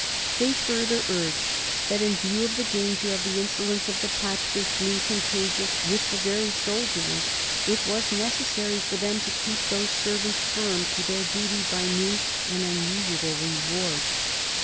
They further urged that, in view of the danger of the insolence of the populace becoming contagious with the very soldiery, it was necessary for them to keep those servants firm to their duty by new and unusual rewards.